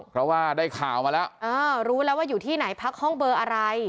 เพราะว่าได้ข่าวมาแล้วเออรู้แล้วว่าอยู่ที่ไหนพักห้องเบอร์อะไร